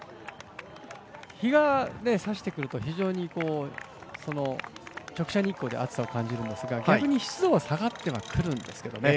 日がさしてくると非常に直射日光で暑さを感じるんですが逆に湿度は下がってくるんですけどね。